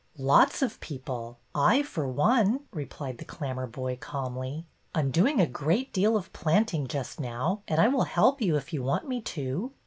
'' Lots of people. I, for one," replied the Clam merboy, calmly. I 'm doing a great deal of planting just now, and I will help you if you want me to."